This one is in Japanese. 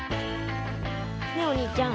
ねえお兄ちゃん。